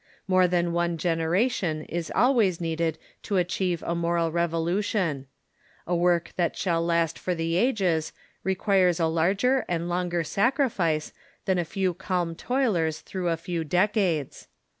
More than one generation is always needed to achieve a moral revolution. A Avork that shall last for the ages requires a larger and longer sacrifice than a few calm toilers through a few decades.